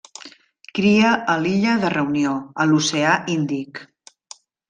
Cria a l'illa de Reunió, a l'oceà Índic.